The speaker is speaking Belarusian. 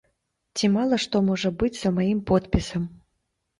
Ці мала што можа быць за маім подпісам.